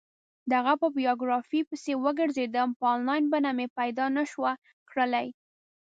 د هغه په بایوګرافي پسې وگرځېدم، په انلاین بڼه مې پیدا نه شوه کړلی.